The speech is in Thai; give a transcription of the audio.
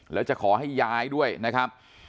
แล้วจะขอให้ย้ายด้วยนะครับ